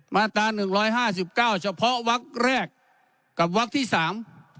มาตราหนึ่งร้อยห้าสิบเก้าเฉพาะวักแรกกับวักที่สาม